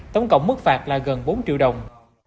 tổng cộng mức phạt là gần bốn triệu đồng